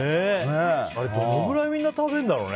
あれ、どのくらいみんな食べるんだろうね。